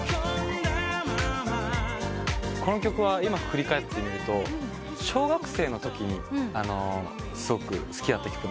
この曲は今振り返ってみると小学生のときにすごく好きだった曲なんです。